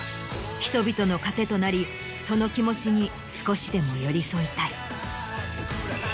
人々の糧となりその気持ちに少しでも寄り添いたい。